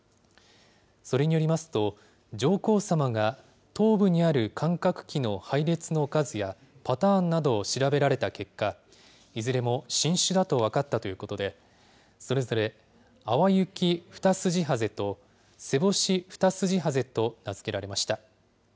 それによりますと、上皇さまが頭部にある感覚器の配列の数や、パターンなどを調べられた結果、いずれも新種だと分かったということで、それぞれ、アワユキフタスジハゼと、セボシフタスジハゼと名付けられました。